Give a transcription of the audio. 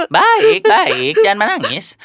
baik baik jangan menangis